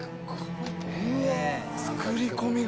造り込みが。